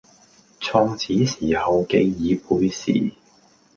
創始時候旣已背時，